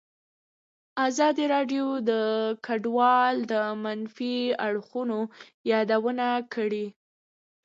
ازادي راډیو د کډوال د منفي اړخونو یادونه کړې.